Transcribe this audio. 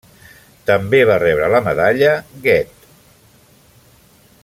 També va rebre la Medalla Goethe.